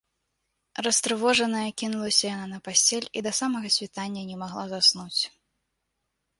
Растрывожаная, кінулася яна на пасцель і да самага світання не магла заснуць.